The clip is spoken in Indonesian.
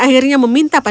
dan akhirnya memindahkannya